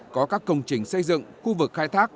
có các công trình xây dựng khu vực khai thác